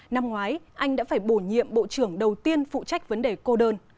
năm ngoái anh đã phải bổ nhiệm bộ trưởng đầu tiên phụ trách vấn đề cô đơn